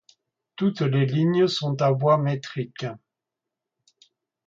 Toutes les lignes sont à voie métrique.